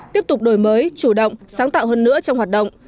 tiếp tục đổi mới chủ động sáng tạo hơn nữa trong hoạt động